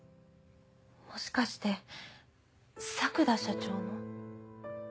もしかして作田社長の？